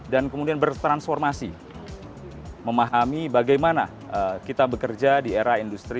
dan kemudian bertransformasi memahami bagaimana kita bekerja di era industri empat